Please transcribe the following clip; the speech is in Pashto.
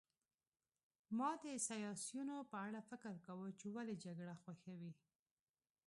ما د سیاسیونو په اړه فکر کاوه چې ولې جګړه خوښوي